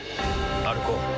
歩こう。